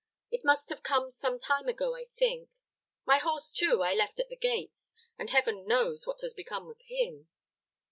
It must have come some time ago, I think. My horse, too, I left at the gates, and Heaven knows what has become of him."